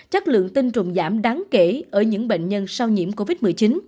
chất lượng tinh trùng giảm đáng kể ở những bệnh nhân sau nhiễm covid một mươi chín